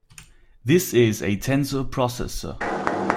This is a tensor processor.